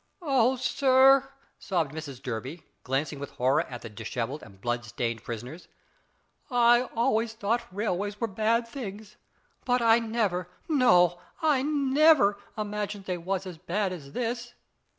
"Oh, sir," sobbed Mrs Durby, glancing with horror at the dishevelled and blood stained prisoners, "I always thought railways was bad things, but I never, no I never, imagined they was as bad as this."